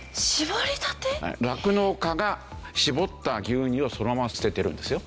酪農家が搾った牛乳をそのまま捨ててるんですよ。